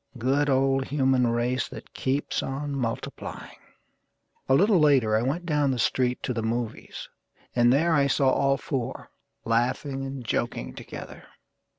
Good old human race that keeps on multiplying! A little later I went down the street to the movies, And there I saw all four, laughing and joking together.